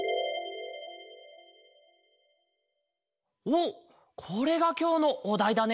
おっこれがきょうのおだいだね？